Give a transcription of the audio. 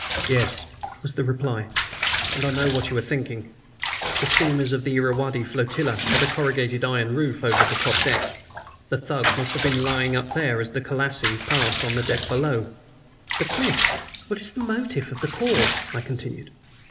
"Yes," was the reply; "and I know of what you are thinking. The steamers of the Irrawaddy flotilla have a corrugated iron roof over the top deck. The Thug must have been lying up there as the Colassie passed on the deck below." "But, Smith, what is the motive of the Call?" I continued.